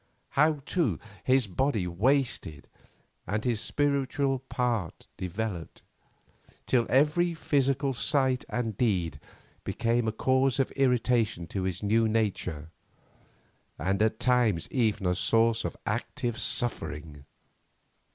How, too, his body wasted and his spiritual part developed, till every physical sight and deed became a cause of irritation to his new nature, and at times even a source of active suffering.